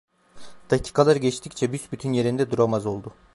Dakikalar geçtikçe büsbütün yerinde duramaz oldu.